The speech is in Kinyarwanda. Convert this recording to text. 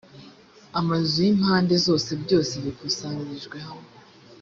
amazu y’impande zose byose bikusanirijwe hamwe